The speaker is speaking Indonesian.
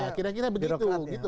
iya kira kira begitu